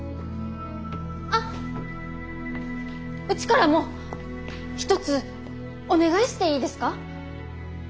あっうちからも一つお願いしていいですか？